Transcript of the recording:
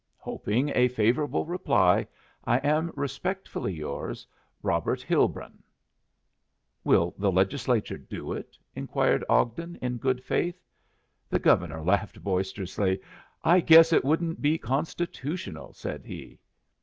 Hoping a favorable reply, "I am, respectfully yours, "Robert Hilbrun" "Will the Legislature do it?" inquired Ogden in good faith. The Governor laughed boisterously. "I guess it wouldn't be constitutional," said he.